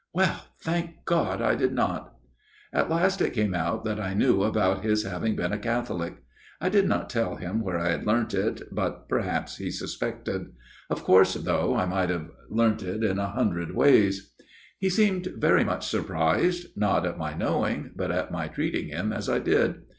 "Well, thank God ! I did not !" At last it came out that I knew about his having been a Catholic. I did not tell him where I had learnt it, but perhaps he suspected. Of course, though, I might have learnt it in a hundred ways. " He seemed very much surprised not at my knowing, but at my treating him as I did.